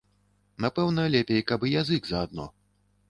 Напэўна лепей каб і язык заадно.